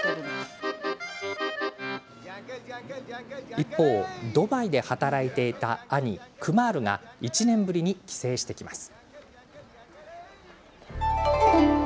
一方、ドバイで働いていた兄、クマールが１年ぶりに帰省してきます。